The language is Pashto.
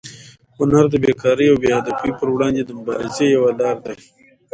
هنر د بېکارۍ او بې هدفۍ پر وړاندې د مبارزې یوه لاره ده.